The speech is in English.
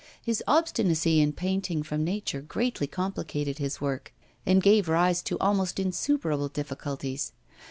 His obstinacy in painting from nature greatly complicated his work, and gave rise to almost insuperable difficulties.